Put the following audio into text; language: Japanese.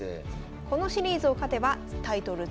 このシリーズを勝てばタイトル